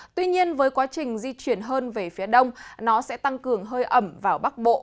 tuy nhiên với quá trình di chuyển hơn về phía đông nó sẽ tăng cường hơi ẩm vào bắc bộ